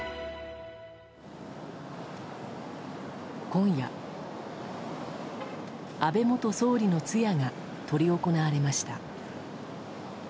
今夜、安倍元総理の通夜が執り行われました。